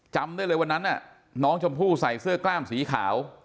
จำได้เลยวันนั้นน้องชมพู่ใส่เสื้อกล้ามสีขาว